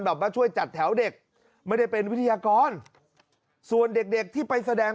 มาช่วยจัดแถวเด็กไม่ได้เป็นวิทยากรส่วนเด็กเด็กที่ไปแสดง